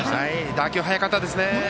打球、速かったですね。